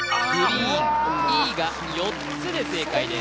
「ｅ」が４つで正解です